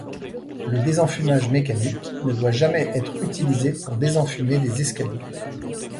Le désenfumage mécanique ne doit jamais être utilisé pour désenfumer des escaliers.